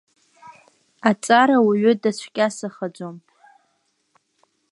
Аҵара уаҩы дацәкьасахаӡом.